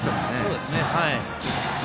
そうですね。